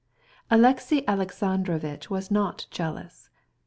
Alexey Alexandrovitch was not jealous.